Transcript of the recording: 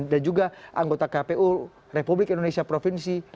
dan juga anggota kpu republik indonesia provinsi